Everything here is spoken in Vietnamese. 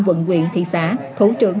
vận quyện thị xã thủ trưởng